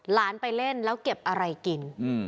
หลานไปเล่นแล้วเก็บอะไรกิน